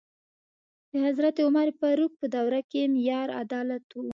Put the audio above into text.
د حضرت عمر فاروق په دوره کې معیار عدالت و.